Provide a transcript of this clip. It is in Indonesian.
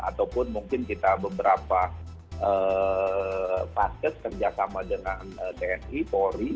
ataupun mungkin kita beberapa vas kerjasama dengan dni polri